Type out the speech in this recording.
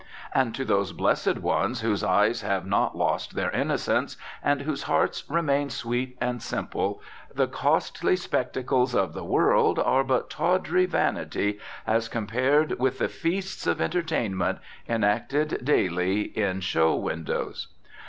And to those blessed ones whose eyes have not lost their innocence and whose hearts remain sweet and simple the costly spectacles of the world are but tawdry vanity as compared with the feasts of entertainment enacted daily in show windows.